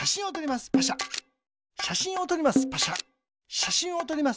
しゃしんをとります。